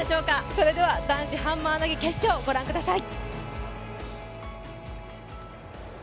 それでは男子ハンマー投決勝、ご覧ください。